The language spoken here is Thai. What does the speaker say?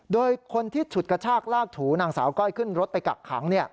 โดยคนที่ฉุดกระชากลากถูนางสาวก้อยขึ้นรถไปกักขัง